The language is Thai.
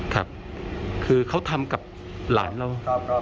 ครับคือเขาทำกับหลานเรา